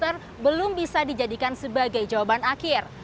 dan juga keadaan keadaan yang belum bisa dijadikan sebagai jawaban akhir